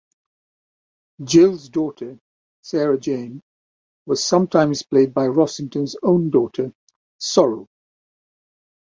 Jill's daughter, Sarah-Jane, was sometimes played by Rossington's own daughter, Sorrel.